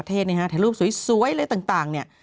ถ่ายรูปสวยอะไรต่างเนี่ย